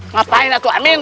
ngapain atuh amin